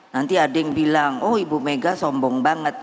nanti ada yang bilang oh ibu mega sombong banget